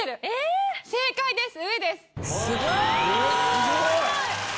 すごーい！